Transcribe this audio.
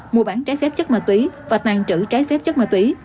mua bán trái phép chất ma túy và tàn trữ trái phép chất ma túy